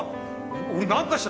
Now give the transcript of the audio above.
俺何かした？